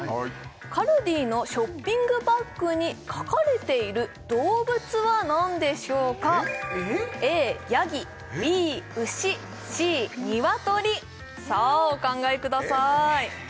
カルディのショッピングバッグに描かれている動物は何でしょうかさあお考えください